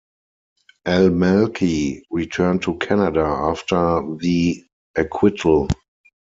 Almalki returned to Canada after the acquittal.